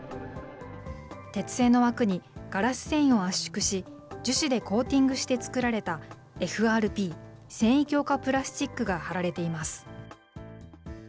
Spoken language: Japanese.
鉄製の枠にガラス繊維を圧縮し、樹脂でコーティングして作られたＦＲＰ・繊維強化プラスチックがはられています。